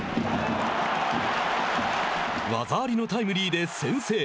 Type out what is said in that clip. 技ありのタイムリーで先制。